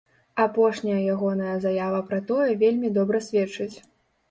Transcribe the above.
Апошняя ягоная заява пра тое вельмі добра сведчыць.